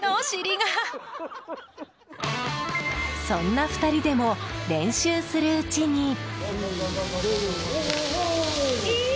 そんな２人でも練習するうちに。